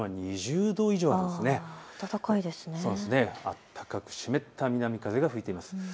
暖かく湿った南風が吹いています。